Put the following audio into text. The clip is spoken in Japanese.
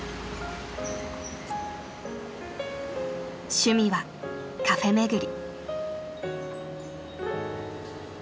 趣味はカフェ巡り。